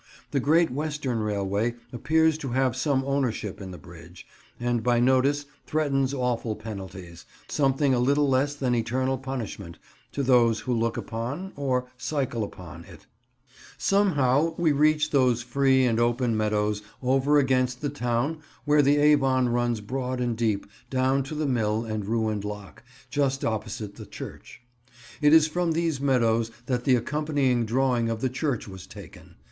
The Great Western Railway appears to have some ownership in the bridge, and by notice threatens awful penalties—something a little less than eternal punishment—to those who look upon—or cycle upon—it. [Picture: Holy Trinity Church, Stratford on Avon] Somehow we reach those free and open meadows over against the town where the Avon runs broad and deep down to the mill and the ruined lock, just opposite the church. It is from these meadows that the accompanying drawing of the church was taken.